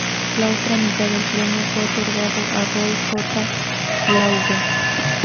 La otra mitad del premio fue otorgada a Roy J. Glauber.